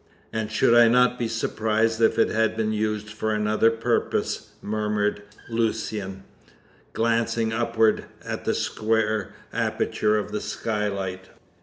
"And I should not be surprised if it had been used for another purpose," murmured Lucian, glancing upward at the square aperture of the skylight.